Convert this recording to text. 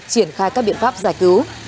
triển khai các biện pháp giải cứu